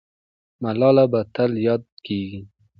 ملاله به تل یاده کېږي.